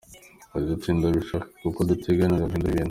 Yagize ati: "Ndabishaka kuko dutegerezwa guhindura ibintu.